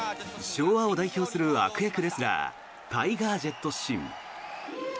昭和を代表する悪役レスラータイガー・ジェット・シン。